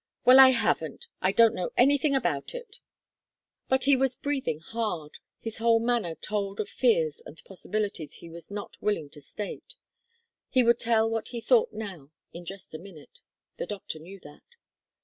"Well, I haven't! I don't know anything about it." But he was breathing hard. His whole manner told of fears and possibilities he was not willing to state. He would tell what he thought now in just a minute; the doctor knew that.